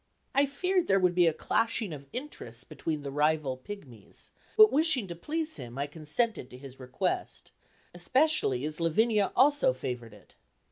I feared there would be a clashing of interests between the rival pigmies; but wishing to please him, I consented to his request, especially as Lavinia also favored it.